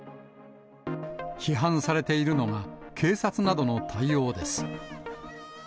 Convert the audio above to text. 批判されているのが、警察などの対応です。